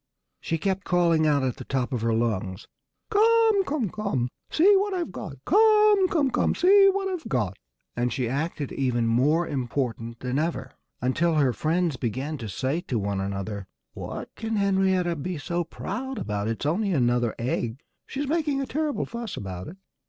She kept calling out at the top of her lungs, "Come come come! See what I've got! Come come come! See what I've got!" And she acted even more important than ever, until her friends began to say to one another, "What can Henrietta be so proud about? If it's only another egg, she's making a terrible fuss about it."